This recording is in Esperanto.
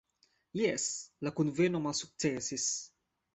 Jes, la kunveno malsuksesis.